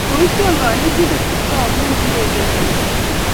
Koityol kanetindet Kiptoo amun Ingeleldo nyi